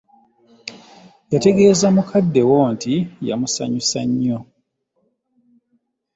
Yategeeza mukadde wo nti yamusanyusa nnyo.